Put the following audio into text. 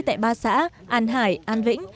tại ba xã an hải an vĩnh